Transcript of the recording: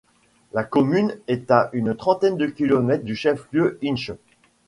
La commune est à une trentaine de kilomètres du chef-lieu Hinche.